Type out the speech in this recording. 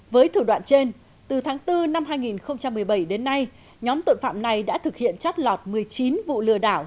với thủ đoạn trên từ tháng bốn năm hai nghìn một mươi bảy đến nay nhóm tội phạm này đã thực hiện trót lọt một mươi chín vụ lừa đảo